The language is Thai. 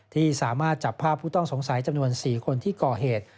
ที่สามารถจับภาพผู้ต้องสงสัยจำนวน๔คนที่ก่อเหตุ